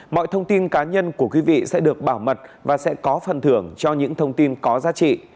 mọi thông tin cá nhân của quý vị sẽ được bảo mật và sẽ có phần thưởng cho những thông tin có giá trị